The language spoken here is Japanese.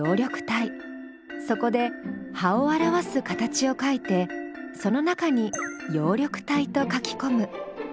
そこで葉を表す形を書いてその中に「葉緑体」と書きこむ。